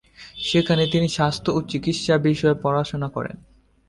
সেখানে তিনি স্বাস্থ্য ও চিকিৎসা বিষয়ে পড়াশোনা করেন।